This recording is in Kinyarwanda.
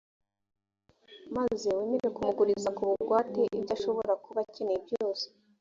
maze wemere kumuguriza ku bugwate ibyo ashobora kuba akeneye byose.